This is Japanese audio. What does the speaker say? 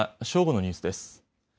正午のニュースです。